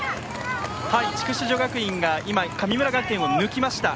筑紫女学園が今、神村学園を抜きました。